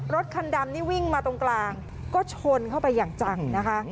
รถคันดำนี่วิ่งมาตรงกลางก็ชนเข้าไปอย่างจังนะคะ